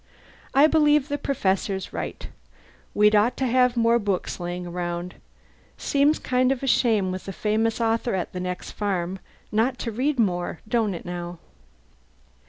I believe the Professor's right: we'd ought to have more books laying around. Seems kind of a shame, with a famous author at the next farm, not to read more, don't it, now?"